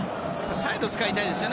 サイドを使いたいですよね